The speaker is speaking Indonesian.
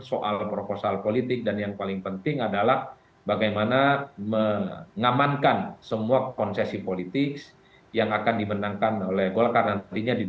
soal proposal politik dan yang paling penting adalah bagaimana mengamankan semua konsesi politik yang akan dimenangkan oleh golkar nantinya di dua ribu dua puluh